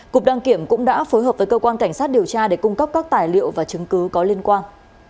cục đăng kiểm cũng đã phối hợp với cơ quan cảnh sát điều tra để cung cấp các tài liệu và chứng cứ có liên quan